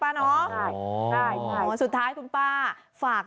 สามสิบบอโอเคไหม